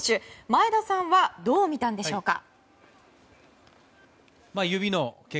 前田さんはどう見たんでしょうか。